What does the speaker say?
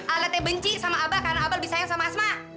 alda benci sama abah karena abah lebih sayang sama asma